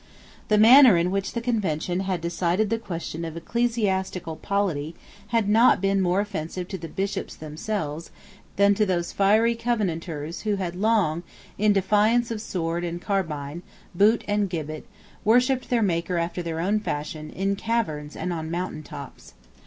The manner in which the Convention had decided the question of ecclesiastical polity had not been more offensive to the Bishops themselves than to those fiery Covenanters who had long, in defiance of sword and carbine, boot and gibbet, worshipped their Maker after their own fashion in caverns and on mountain tops.